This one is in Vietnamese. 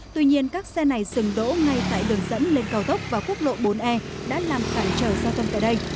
tuy nhiên các xe này dừng đỗ ngay tại đường dẫn lên cao tốc và khuất lộ bốn e đã làm cảnh chở giao thông tại đây